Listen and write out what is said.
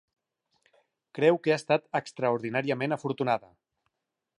Creu que ha estat extraordinàriament afortunada.